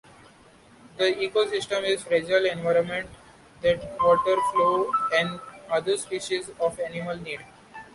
The ecosystem is a fragile environment that waterfowl and other species of animals need.